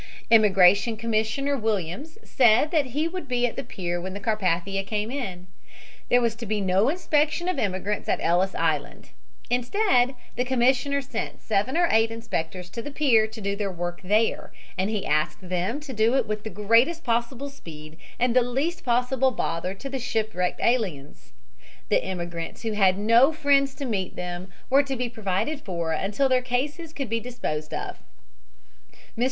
Immigration Commissioner Williams said that he would be at the pier when the Carpathia came in. There was to be no inspection of immigrants at Ellis Island. Instead, the commissioner sent seven or eight inspectors to the pier to do their work there and he asked them to do it with the greatest possible speed and the least possible bother to the shipwrecked aliens. The immigrants who had no friends to meet them were to be provided for until their cases could be disposed of. Mr.